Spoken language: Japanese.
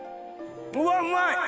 うわうまい！